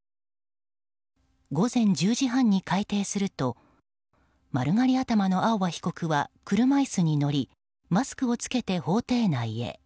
午前１０時半に開廷すると丸刈り頭の青葉被告は車椅子に乗りマスクを着けて法廷内へ。